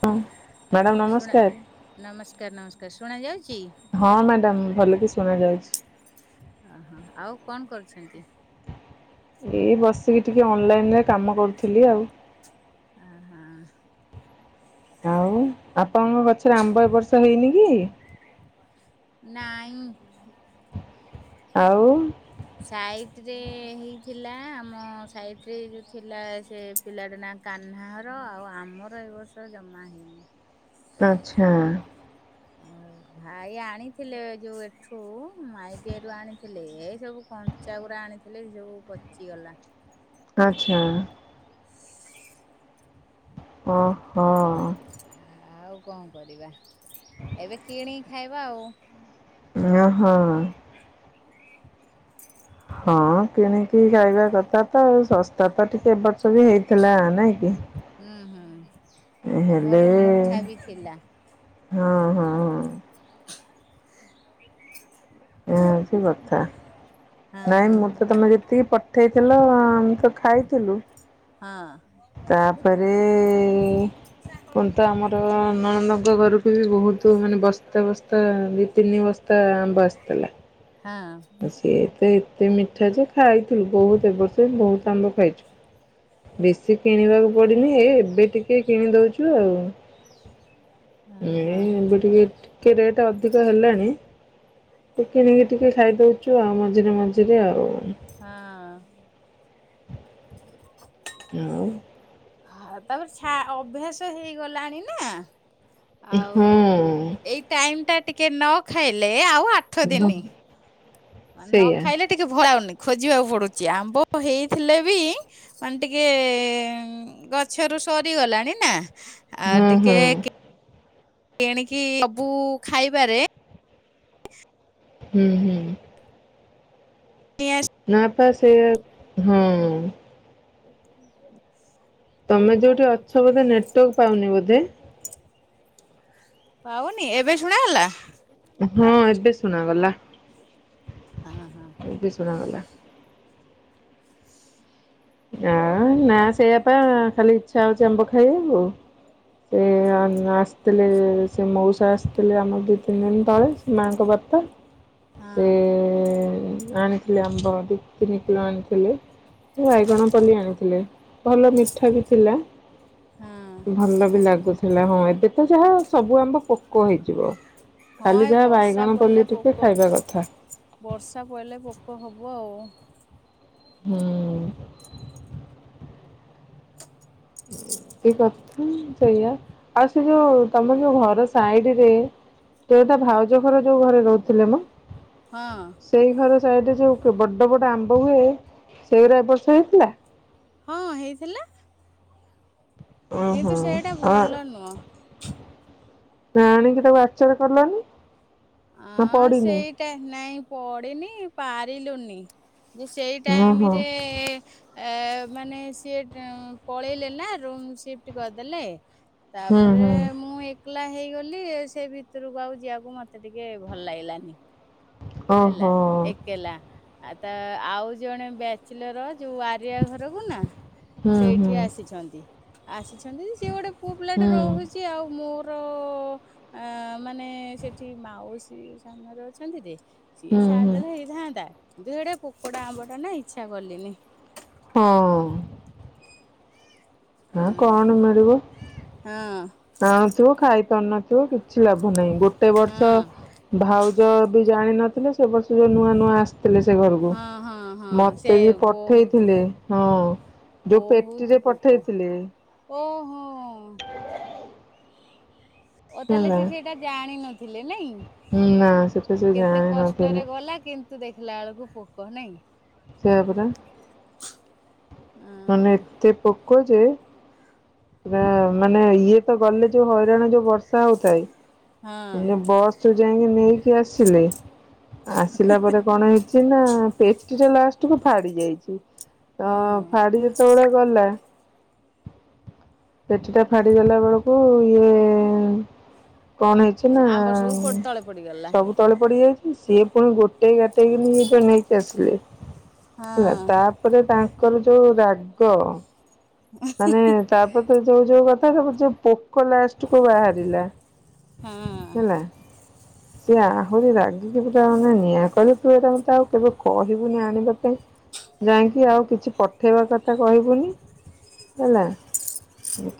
ହଁ ମ୍ୟାଡ଼ାମ ଶୁଣା ନମସ୍କାର। ନମସ୍କାର ନମସ୍କାର ଶୁଣା ଯାଉଛି? ହଁ ମ୍ୟାଡାମ ଭଲ କି ଶୁଣା ଯାଉଚି। ଓହୋ ଆଉ କଣ କରୁଚନ୍ତି? ଏଇ ବସିକି ଟିକେ ଅନଲାଇନ ରେ କାମ କରୁଥିଲି ଆଉ। ଓହୋ ଆଉ ଆପଣଙ୍କ ଗଛରେ ଆମ୍ବ ଏଇ ବର୍ଷ ହେଇନି କି? ନାଇଁ। ଆଉ ସାଇଟ ରେ ହେଇଥିଲା ଆମ ସାଇଟ ରେ ଯୋଉ ଥିଲା ସେ ପିଲାଟା ନାଁ କାନ ପହ୍ନର ଆଉ ଆମର ଏଇ ବର୍ଷ ଜମା ହେଇନି। ଆଚ୍ଛା। ଆ ଭାଇ ଆଣିଥିଲେ ଯୋଉ ଏଠୁ ମାଇ ପିଆରୁ ଆଣିଥିଲେ ଏଇ ସବୁ କଞ୍ଚାଗୁରା ଜାଣିଥିଲି ସେଇ ଯୋଉ ପଚିଗଲା। ଆଚ୍ଛା। ଓହୋ। ଆଉ କଣ କରିବା ଏବେ କିଣିକି ଖାଇବା ଆଉ। ଓ ହୋ। ହଁ କିଣିକି ଖାଇବା କଥା ତ ଶସ୍ତା ତ ଟିକେ ଏବ ବର୍ଷ ବି ହେଇଥିଲା ନାଇଁ କି? ହୁଁ ହୁଁ ଆଉ ହେଲେ ଭଲ ମିଠା ବି ଥିଲା। ହଁ ହଁ ହଁ। ହଉରି କିଛି ହଁ ସେ କଥା ନାଇଁ ହଁ। ମତେ ତମେ ଯଦି ଟିକେ ପଠେଇଥିଲ ଆମେ ତ ଖାଇଥିଲୁ। ହଁ ତାପରେ କ ତ ଆମର ନଣଦଙ୍କ ଘରକୁ ବି ବହୁତ ମାନେ ବସ୍ତା ବସ୍ତା ଦି ତିନି ବସ୍ତା ଆମ୍ବ ଆସିଥିଲା। ହଁ ଆ ସିଏ ତ ଏତେ ମିଠା ଯେ ଖାଇଥିଲୁ ବହୁତ ଏଇ ବର୍ଷ ବହୁତ ଆମ୍ବ ଖାଇଚୁ। ବେଶୀ କିଣିବାକୁ ପଡିନି ହେ ଏବେ ଟିକେ କିଣି ଦଉଚୁ ଆଉ। ହଁ ଏ ହଁ ଏବେ ଟିକେ ଟିକେ ରେଟ ଅଧିକ ହେଲାଣି। ଟ କିଣିକି ଟିକେ ଖାଇଦଉଚୁ ଆଉ ମଝିରେ ମଝିରେ ଆଉ ହଁ। ହଁ। ହଁ ତାପରେ ଅଭ୍ୟାସ ହେଇଗଲାଣି ନା। ଆଉ ହଁ ଏଇ ଟାଇମ ଟା ଟିକେ ନ ଖାଇଲେ ଏ ଆଉ ଆଠ ଦିନି। ନ ସେଇଆ ଖାଇଲେ ଟିକେ ଭଲ ଲାଗୁନି। ଖୋଜିବାକୁ ପଡୁଛି ଆମ୍ବ ହେଇଥିଲେ ବି ମାନେ ଟିକେ ଗଛରୁ ସରିଗଲାଣି ନା ହଁ ଆଉ ହଁ ଟିକେ କିଣିକି ସବୁ ଖାଇବାରେ ହୁଁ ହୁଁ। ନା ପା ସେ ହଁ। ତମେ ଯୋଉଠି ଅଛ ବୋଧେ ନେୱର୍କ ପାଉନି ବୋଧେ। ପାଉନି, ଏବେ ଶୁଣା ଗଲା? ହଁ। ଏବେ ଶୁଣାଗଲା, ହଁ ହଁ ଏବେ ଶୁଣାଗଲା। ଆ ନା ସେଇଆ ପା ଖାଲି ଇଚ୍ଛା ହଉଛି ଆମ୍ବ ଖାଇବାକୁ ସେ ହଁ ଆ ଆସ ଥିଲ ଲେ, ସେ ମଉସା ଆସିଥିଲେ ଆମର ଦି ତିନି ଦିନ ତଳେ, ସେ ମାଆଙ୍କ ବାପା। ହଁ। ସେ ଆଣିଥିଲେ ଆମ୍ବ, ଦୁଇ ତିନି କିଲୋ ଆଣିଥିଲେ ବାଇଗଣପଲେଇ ଆଣିଥିଲେ, ଭଲ ମିଠା ବି ଥିଲା ହଁ ଭଲ ବି ଲାଗୁଥିଲା। ହଁ, ଏବେ ତ ଯାହା ସବୁ ଆମ୍ବ ପୋକ ହେଇଯିବ। ହଁ ଖାଲି ଏଇ ଯାହା ବର୍ଷା ବାଇଗଣ ପଡ଼ିଲେ ପୋଲି ଟିକେ ପୋକ, ଖାଇବା କଥା। ବର୍ଷା ପଡ଼ିଲେ ପୋକ ହବ ବ ଆଉ। ହୁଁ। [inaudible] ଏଇ କଥା ସେଇଆ। ଆଉ ସେ ଯୋଉ ତମର ଯୋଉ ଘର ସାଇଡରେ ସେଇଟା ଭାଉଜ ଘର ଯୋଉ ଘରେ ରହୁଥିଲେ ମ, ହଁ ସେଇ ଘର ସେଇଟି ଯୋଉ ବଡ ବଡ ଆମ୍ବ ହୁଏ, ସେଗୁରା ଏ ବର୍ଷ ହେଇଥିଲା? ହଁ ହେଇଥିଲା। କିନ୍ତୁ ଓହୋ। ସେଇଟା ଆ ଭଲ ନୁହଁ ଆଣିକି ତାକୁ ଆଚାର କଲନି। ନା ହଁ ପଡିନି? ସେଇଟା ନାଇଁ ପଡିିନି, ପାରିଲୁନି। ଯେ ସେଇ ଓହୋ ଟାଇମିରେ ଏ ମାନେ ସିଏ ପଳେଇଲେ ନା, ରୁମ୍ ସିଫ୍ଟ କରିଦେଲେ। ହୁଁ ତାପରେ ହୁଁ ମୁଁ ଏକଲା ହେଇଗଲି, ଆଉ ସେ ଭିତରକୁ ଆଉ ଯିବାକୁ ମତେ ମତେ ଟିକେ ଭଲ ଲାଗିଲାନି। ହେଲା, ଓହୋ ଏକଲା ଆ ତ ଆଉ ଜଣେ ବ୍ୟାଚଲର ଅ ଯୋଉ ଆରିଆ ଘରକୁ ନା, ହୁଁ ହୁଁ ସେଇଠି ଆସିଛନ୍ତି। ଆସି ଅଛନ୍ତି ଯେ, ସିଏ ଗୋଟେ ପୁଅ ପିଲାଟେ ହୁଁ ରହୁଛି ଆଉ ମୋର ଆମର ଏଁ ମାନେ ସେଠି ମାଉସୀ ସାମ୍ନାରେ ଅଛନ୍ତି ଯେ ସିଏ ହୁଁ ହୁଁ ସାରିଦେଲେ ହେଇଥାନ୍ତା। କିନ୍ତୁ ସେଇଟା ପୋକଡା ଆମ୍ବଟା ନା ଇଚ୍ଛା କଲିନି। ହଁ। ହଁ ଆଉ କଣ ମିଳିବ? ହଁ ଆଣୁଥିବୁ, ଖାଇପାରୁନଥିବୁ, କିଛି ଲାଭ ନାହିଁ। ଗୋଟେ ବର୍ଷ ହଁ। ଭାଉ ଯ ବି ଜାଣିିନଥିଲେ, ସେ ବର୍ଷ ଯୋଉ ନୂଆ ନୂଆ ଆସି ସିଥିଲେ ସେ ଘରକୁ। ହଁ ହଁ ହଁ ସେ ମତେ ବି ବହୁତ ପଠେଇଥିଲେ ହଁ। ଯୋଉ ବହୁତ ପେଟିରେ ପୋକ ପଠେଇଥିଲେ ଓହୋ। ଓ ତାହେଲେ ହେଲା ସେ ସେଇଟା ଜାଣିନଥିଲେ ନାଇଁ। ନା ସେଟା ସେ କେତେ କଷ୍ଟରେ ଜାଣିନଥିଲେ ଗଲା, କିନ୍ତୁ ଦେଖିଲା ବେଳକୁ ପୋକ ନାହିଁ। ସେୟା ପରା। ମାନେ ଓହୋ ଏତେ ପୋ କ ଯେ, ପୁରା ମାନେ ଇଏ ତ ଗଲେ ଯୋଉ ହଇରାଣ ଯୋଉ ବ ବର୍ଷା ହଉଥାଏ, ଏ ହଁ ଯୋଉ ବସରୁ ଯାଇକି ନେଇକି ଆସିଲେ ଆସିଲା ପରେ କଣ ହେଇଛି ନା, ପେଟିଟା ଲାଷ୍ଟକୁ ଫାଡି ଯାଇଛି। ତ ହଁ। ଫାଡି ଯେତେବେଳେ ଗଲା ପେଟିଟା ଫାଡି ଗଲାବେଳକୁ ଇଏ କଣ ହେଇଛି ନା, ସେ ଆମ୍ବ ସବୁ ପ ତଳେ ପଡିଗଲା ସବୁ ତଳେ ପଡ଼ିଯାଇଛି। ସିଏ ପୁଣି ଗୋଟେ ଗାଟେ ଗୋଟେଇକିନି ଏଇଟା ନେଇକି ଆସିଲେ ହଁ ହେଲା। ତାପରେ ତାଙ୍କ ତାଙ୍କର ଯୋଉ ରାଗ, ମାନେ ତାପରେ ଯୋଉ ଯୋଉ କଥା କୁ ଯୋଉ ପୋକ ଲାଷ୍ଟକୁ ବାହାରିଲା ହୁଁ। ହେଲା ସିଏ ଆହୁରି ରାଗିକି ପୁରା ମାନେ ନିଆଁ। କହିଲେ ତୁ ଏଇଟା ମତେ ଆଉ କେବେ କହିବୁନି ଆଣିବା ପାଇଁ ଯାଇକି ଆଉ କିଛି ପଠେଇବା କଥା କହିବୁନି ହେଲା।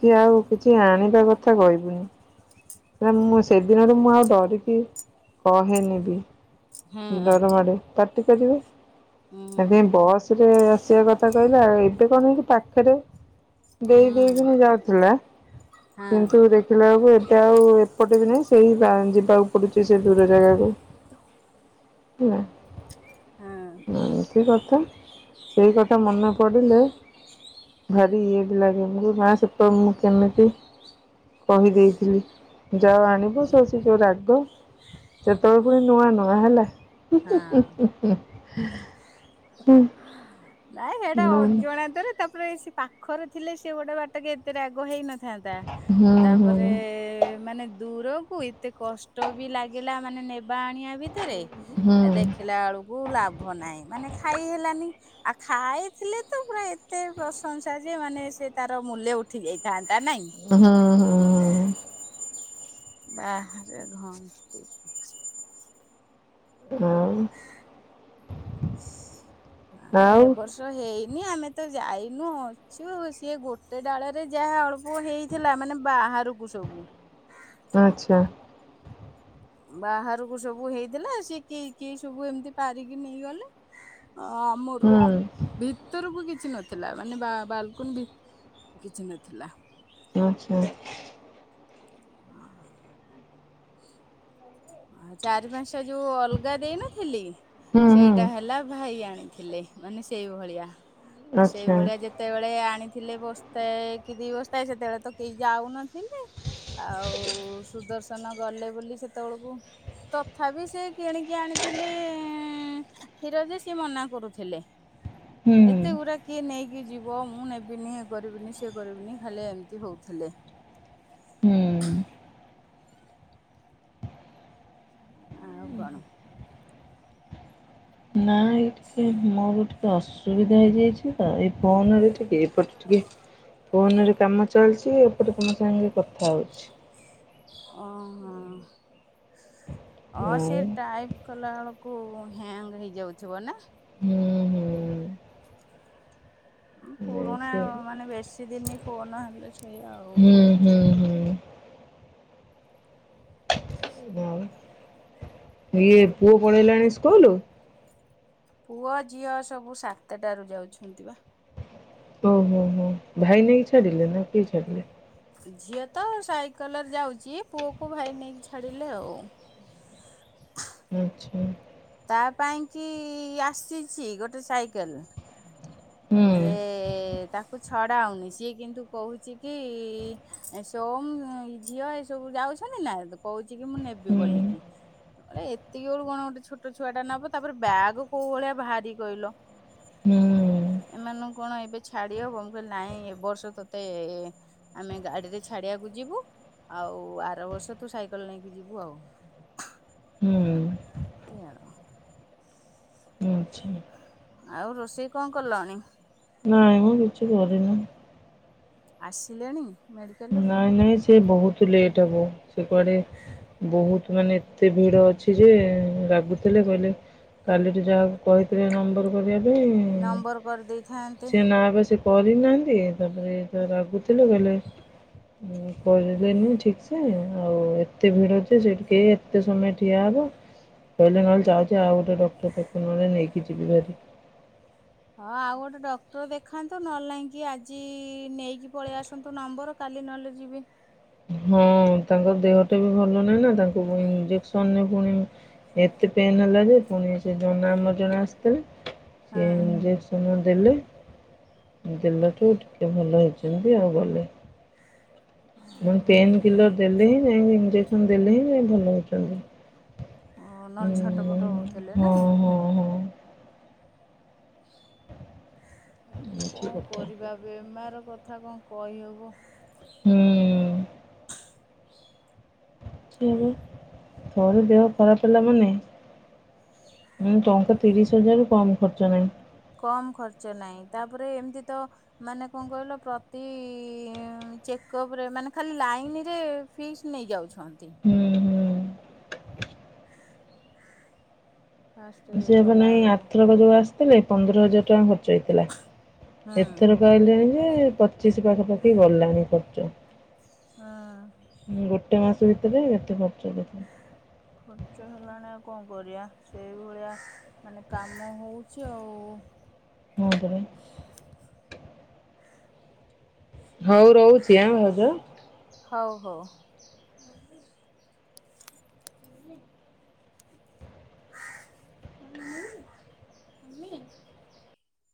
କି ଆଉ କିଛି ଆଣିବା କଥା କହିବୁନି। ମୁଁ ସେଦିନରୁ, ମୁଁ ଆଉ ଡରିକି କହେନେବି। ହଁ। ଡର ମାଡେ ପାଟିକରିବେ, ହୁଁ ସେଥିପାଇଁ ବସ୍ ରେ ଆସିବା କଥା କହିଲା। ଏବେ କଣ ହେଇଛି ପାଖରେ? ଦେଇ ହୁଁ ଦେଇେଇକିନି ଯାଉଥିଲା। ହଁ କିନ୍ତୁ ଦେଖିଲା ବେଳକୁ ଏବେ ଏତେ ଆଉ ଏପଟେ ବି ନାହିଁ। ସେଇ ଗାଁ, ଯିବାକୁ ପଡୁଛି ସେ ଦୂର ଜାଗାକୁ। ହେଲା। ହଁ ତ ଏମିତି କଥା। ସେଇ କଥା ମନେ ପଡିଲେ ଭା ଇଏ ବି ଲାଗେ, ନା ସେପ-ମୁଁ କେମିତି କହିଦେଇଥିଲି। ଯାଉ ଆଣିବୁ ସେ ସବୁ ଯୋଉ ରାଗ, ସେତେବେଳେ ପୁଣି ନୂଆ ନୂଆ ହେଲା। ହଁ। [unintelligible] ନାଇଁ ସେଇଟା ହୁଁ ଅଜଣାନ୍ତରେ ତା ସେ ପାଖରେ ଥିଲେ, ସେ ଗୋଟେ ବାଟକ ଏତେ ରାଗ ହେଇନ ଥାନ୍ତା, ତାପରେ ହୁଁ ମାନେ ଦୂରକୁ ଏତେ କଷ୍ଟ ବି ଲାଗିଲା, ମାନେ ନେବା ଆଣିବା ଭିତରେ ଆ' ହୁଁ ଦେଖିଲା ବେଳକୁ ଲାଭ ନାହିଁ। ମାନେ ଖାଇ ହେଲାନି। ଆଉ ଖାଇଥିଲେ ତ ପୁରା ଏତେ ପ୍ରଶଂସା, ଯେ ମାନେ ସେ ତାର ମୂଲ୍ୟ ଉଠି ଯାଇଥାନ୍ତା। ନାଇଁ। ହୁଁ, ହୁଁ। ବାହାରେ ଘନ୍ଟି ଆଉ ଏ ଆଉ ବର୍ଷ ହେଇ ନି ଆମେ ତ ଯାଇନୁ, ଅଛୁ। ସିଏ ଗୋଟେ ଡାଳରେ ଯାହା ଅଳ ପୁଅ ହେଇଥିଲା। ମାନେ ବାହାରକୁ ସବୁ। ଆଚ୍ଛା ବାହାରକୁ ସବୁ ହେଇଥିଲା। ସି କେହି, କେହି ସବୁ ଏମିତି ପାରିକି ନେଇଗଲେ। ହ ଆମର ହୁଁ ଭିତରକୁ କି କିଛି ନଥିଲା, ମାନେ ବା-ବା-ବାଲକୁନି ବି କିଛି ନଥିଲା। ଆଚ୍ଛା। ଆଉ ଚାରି ପାଞ୍ଚଟା ଯୋଉ ଅଲଗା ଦେଇନଥିଲି। ହୁଁ ହୁଁ ସେଇଟା ହେଲା ଭାଇ ଆଣେ। ଥିଲେ ମାନେ ସେଇ ଭଳିଆ। ଆଚ୍ଛା। ସେଇଭଳିଆ ଯେତେବେଳେ ଆଣି ଥିଲେ ବସ୍ଥାଏ, କି ଦି ବସ୍ଥାଏ, ସେତେବେଳେ ତ କେହି ଯାଉନା ହେଲେ, ଆଉ ସୁଦର୍ଶନ ଗଲେ ବୋଲି ସେତେବେଳକୁ ଓ, ତଥାପି ସେ କିଣିକି ଆଣିଥିଲେ, କ୍ଷୀର ଯେ ସିଏ ମନା କରୁ ଥିଲେ। ହୁଁ ହୁଁ ଏତେ ଗୁଡା କିଏ ନେଇ କିଏ ଜୀବ, ମୁଁ ନେବିନି, ଏ କରିବିନି, ସେ କରିବିନି, ଖାଲି ଏମିତି ହୋଉଥିଲେ। ହୁଁ। ଆଉ କଣ? ନାଇଁ ଟିକେ ମୋର ଟିକେ ଅସୁବିଧା ହେଇଯାଇଛି ତ, ଏଇ ଫୋନରେ ଟିକେ ଏପଟ ଟିକେ ଫୋନରେ କାମ ଚାଲିଛି, ଏପଟେ ତମ ସାଙ୍ଗେ କଥା ହଉଛି। ଓହୋ। ହ ସେ ଆଉ ଟାଇପ କଲା ବେଳ କୁ, ହ୍ୟାଙ୍ଗ ହେଇଯାଉଥିବ ନା? ହୁଁ ହୁଁ। ପୁରୁଣା ସେ ମାନେ ବେଶୀ ଦିନ ଫୋନ ହେଲେ ସେଇଆ ଆଉ। ହୁ। ଇଏ ପୁଅ ପଢେଇଲାଣି ସ୍କୁଲ? ପୁଅ, ଝିଅ ସବୁ ସାତଟାରୁ ଯାଉଛନ୍ତି ବା। ଓ-ହୋ-ହୋ। ଭାଇ ନେଇକି ଇଛାଡ଼ିିଲେ ନା କିଏ ଇଛାଡିଲେ? ଝିଅ ତ ସାଇକେଲରେ ଯାଉଛି। ପୁଅକୁ ଭାଇ ନେଇକି, ଛାଡ଼ିଲେ ଆଉ। ଆଚ୍ଛା। ତା ପାଇଁ ଙ୍କି ଆସିଛି ଗୋଟେ ସାଇକେଲ। ଯେ ହୁଁ। ତାକୁ ଛଡା ହଉନି ସିଏ କିନ୍ତୁ କହୁଛି କି ସୋମ ଝିଅ ଏସବୁ ଯାଉଛି। ନାଇଁ କହୁଛି କି ମୁଁ ନେବି ହୁଁ ବୋଲିକି। ଏ ଏତିକି ବେଳୁ କଣ ଗୋଟେ ଛୋଟ ଛୁଆ ଟା ନେବ ତାପରେ ବ୍ୟାଗ କୋଉ ଭଳିଆ ଭାରି କହିଲ। ହୁଁ ଏମାନଙ୍କୁ କଣ ଏବେ ଛାଡି ହବ ମୁଁ କହିଲି ନାଇଁ ଏବ ବର୍ଷ ତତେ ଆମେ ଗାଡ଼ିରେ ଛାଡ଼ିବାକୁ ଯିବୁ ଆଉ ଆର ବର୍ଷ ତୁ ସାଇକେଲ ନେଇକି ଯିବୁ ଆଉ। [unintelligible] ହୁଁ। ହୁଁ ଅଛି। ଆଉ ରୋଷେଇ କଣ କଲଣି? ନାଇଁ ମୁଁ କିଛି କରିନି। ଆସିଲେଣି? ମେଡିକାଲରୁ ନାଇଁ ନାଇଁ ସେ ବହୁତ ଲେଟ୍ ହବ ସେ କୁଆଡେ ବହୁତ ମାନେ ଏତେ ଭିଡ ଅଛି ଯେ ରାଗୁଥିଲେ କହିଲେ କାଲିଠୁ ଯାହାକୁ କହିଥିଲେ ନମ୍ବର କରିବା ପାଇଁ ନମ୍ବର କରି ଦେଇଥାନ୍ତେ। ସେ ନା ବା ସେ କରିନାହାନ୍ତି ତାପରେ ଏଟ ରାଗୁଥିଲେ କହିଲେ ଉଁ କରିଲେନି ଠିକ୍ ସେ ଆଉ ଏତେ ଭିଡ ଅଛି ସେଠିକେ ଏତେ ସମୟ ଠିଆ ହବ। କହିଲେ ନହେଲେ ଚାହୁଛି ଆଉ ଗୋଟେ ଡକ୍ଟର ପାଖକୁ ନହଲେ ନେଇକି ଯିବି ଭାରି। ହଁ ଆଉ ଗୋଟେ ଡକ୍ଟର ଦେଖାନ୍ତୁ ନହଲୋଇକି ଆଜି ନେଇକି ପଳେଇ ଆସନ୍ତୁ ନମ୍ବର କାଲି ଦି ନହେଲେ ଯିବି। ହଁ ତାଙ୍କର ଦେହଟା ବି ଭଲ ନାହିଁ ନା ତାଙ୍କୁ ଇଞ୍ଜେକ୍ସନରେ ପୁଣି। ଏତେ ପେନ୍ ହେଲା ଯେ ପୁଣି ସେ ଜନ ଆମର ଜଣେ ଆସିଥିଲେ। ହଁ ସେ ଇଞ୍ଜେସନ ଦେଲେ। ଜଲଠୁ ଟିକେ ଭଲ ହେଇଛନ୍ତି ଆଉ ଗଲେ। ପେନ୍‌ କିଲର ଦେଲେ ହିଁ ଯାଇ ଇଞ୍ଜେସନ ଦେଲେ ହିଁ ଯାଇ ଭଲ ହଉଛନ୍ତି। ଓ ନହେଲେ ଛୋଟ ପଟ ହଉଥିଲେ ହଁ ନାଇଁ? ହଁ ହଁ ଏମିତି କଣ କଥା। କରିବା ବେମାର କଥା କଣ କହିହବ। ହୁଁ। ଥରେ ଦେହ ଖରାପ ହେଲା ମାନେ ଉଁ ଟଙ୍କା ତିରିଶ ହଜାର କମ ଖର୍ଚ୍ଚ ନାହିଁ। କମ୍ ଖର୍ଚ୍ଚ ନାହିଁ ତାପରେ ଏମିତି ତ ମାନେ କଣ କହିଲ ପ୍ରତି ଚେକପ ରେ ମାନେ ଖାଲି ଲାଇନରେ ଫିସ ନେଇ ଯାଉଛନ୍ତି। ହୁଁ ହୁଁ। ଫାଷ୍ଟ ଇଏ ସେଏବେ କଲା ନାଇଁ ବେଳକୁ ଆଥରକ ଯୋଉ ଆସିଥିଲେ ପନ୍ଦର ହଜାର ଟଙ୍କା ଖ ଯାଇଥିଲା ହୁଁ ଏଥର କହିଲେଣି ଯେ ପଚିଶ ପାଖା ପାଖି ଗଲାଣି ଖର୍ଚ। ହଁ। କେତେ ମାସ ଭିତରେ ଏତେ ପାତ୍ର ଭିତ ଖର୍ଚ୍ଚ ହେଲାଣି ଆଉ କଣ କରିବା ସେଇଭଳିଆ ମାନେ କାମ ହଉଛି ଆଉ। ହଁ ମଜରେ ହୋଉ ରହୁଛି ଆଁ ଭାଉଜ। ହୋଉ ହୋଉ।